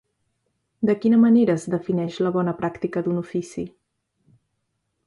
De quina manera es defineix la bona pràctica d'un ofici?